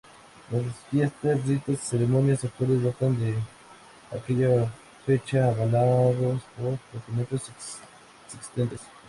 Las fiestas ritos y ceremonias actuales datan de aquella fecha, avalados por documentos existentes.